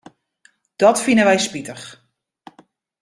Dat fine wy spitich.